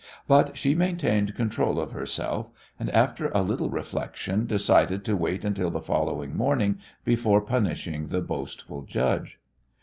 But she maintained control of herself, and after a little reflection decided to wait until the following morning before punishing the boastful judge.